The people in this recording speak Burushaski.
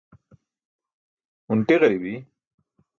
hunṭi ġaribi